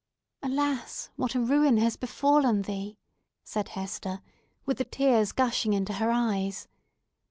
"Alas! what a ruin has befallen thee!" said Hester, with the tears gushing into her eyes.